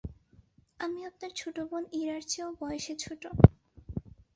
আমি আপনার ছোটবোন ইরার চেয়েও বয়সে ছোট।